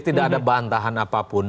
tidak ada bantahan apapun